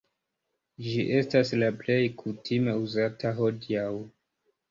Ĝi estas la plej kutime uzata hodiaŭ.